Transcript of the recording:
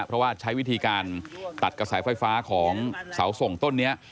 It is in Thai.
เพราะว่าใช้วิธีการตัดกระแสไฟฟ้าของเสาส่งต้นนี้